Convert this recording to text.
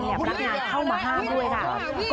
พนักงานเข้ามาห้ามด้วยค่ะ